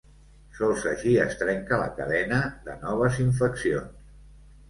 Sols així es trenca la cadena de noves infeccions.